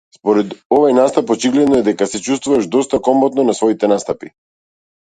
Според овој настап очигледно е дека се чувствуваш доста комотно на своите настапи.